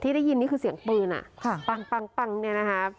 อ๋อที่ได้ยินนี่คือเสียงปืนอ่ะค่ะปังปังปังเนี่ยนะฮะ